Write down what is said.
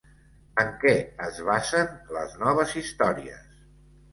En què es basen les noves històries?